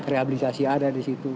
rehabilitasi ada di situ